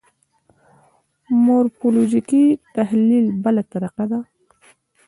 مورفولوژیکي تحلیل بله طریقه ده.